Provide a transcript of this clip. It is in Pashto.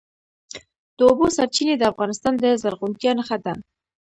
د اوبو سرچینې د افغانستان د زرغونتیا نښه ده.